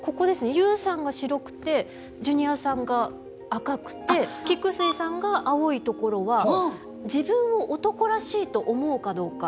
ＹＯＵさんが白くてジュニアさんが赤くて菊水さんが青い所は自分を男らしいと思うかどうか。